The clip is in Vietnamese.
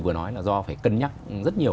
vừa nói là do phải cân nhắc rất nhiều